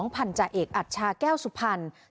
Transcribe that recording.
พันธาเอกอัชชาแก้วสุพรรณ